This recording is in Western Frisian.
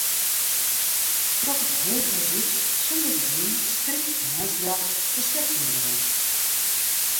Troch it hege rút sûnder gerdinen strykt it moarnsljocht de sliepkeamer yn.